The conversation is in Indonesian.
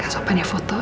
gak sempenh ya foto